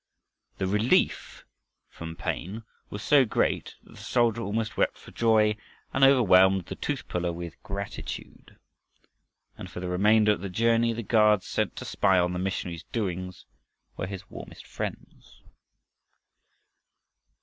The relief from pain was so great that the soldier almost wept for joy and overwhelmed the tooth puller with gratitude. And for the remainder of the journey the guards sent to spy on the missionary's doings were his warmest friends.